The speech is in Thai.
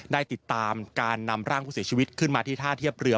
ได้ติดตามการนำร่างผู้เสียชีวิตขึ้นมาที่ท่าเทียบเรือ